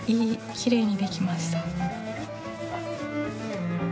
きれいにできました。